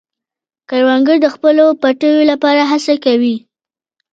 کروندګر د خپلو پټیو لپاره هڅه کوي